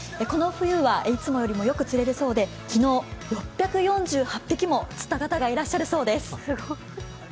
この冬はいつもよりもよく釣れるそうで昨日、６４８匹も釣った方がいらっしゃるそうです。